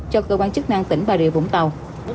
cho cơ quan chức năng tỉnh bà rịa vũng tàu